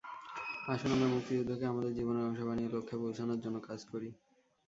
আসুন আমরা মুক্তিযুদ্ধকে আমাদের জীবনের অংশ বানিয়ে লক্ষ্যে পৌঁছানোর জন্য কাজ করি।